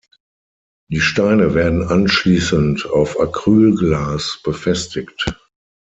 Die Steine werden anschließend auf Acrylglas befestigt.